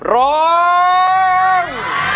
ร้อง